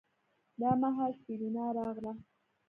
دا مهال سېرېنا راغله.